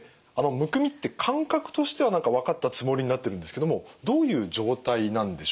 むくみって感覚としては何か分かったつもりになってるんですけどもどういう状態なんでしょうか。